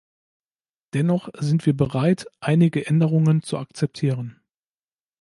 Dennoch sind wir bereit, einige Änderungen zu akzeptieren.